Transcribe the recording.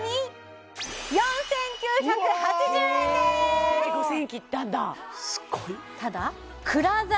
え５０００円切ったんだすごい！